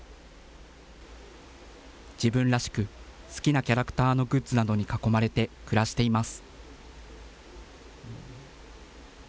自分らしく、好きなキャラクターのグッズなどに囲まれて暮らしています。